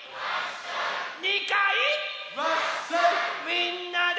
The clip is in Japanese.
みんなで！